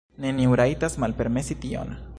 Neniu rajtas malpermesi tion!